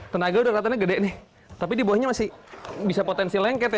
tenaga udah katanya gede nih tapi di bawahnya masih bisa potensi lengket ya